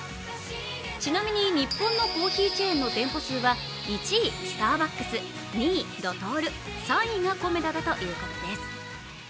ちなみに日本のコーヒーチェーンの店舗数は、１位、スターバックス２位、ドトール３位がコメダだということです。